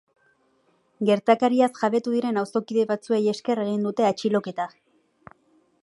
Gertakariaz jabetu diren auzokide batzuei esker egin dute atxiloketa.